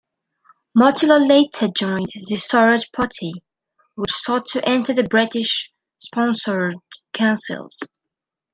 Motilal later joined the Swaraj Party, which sought to enter the British-sponsored councils.